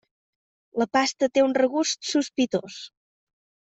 La pasta té un regust sospitós.